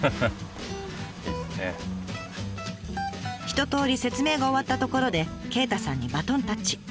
一とおり説明が終わったところで鯨太さんにバトンタッチ。